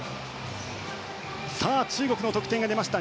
さあ、中国の得点が出ました。